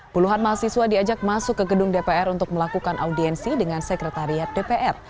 puluhan mahasiswa diajak masuk ke gedung dpr untuk melakukan audiensi dengan sekretariat dpr